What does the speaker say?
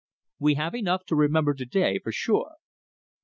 We have enough to remember to day, for sure."